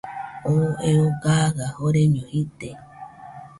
Oo eo gaɨa joreño jide.